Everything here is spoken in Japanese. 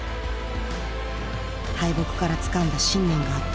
敗北からつかんだ信念があった。